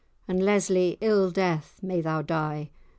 And, Lesly, ill death may thou die!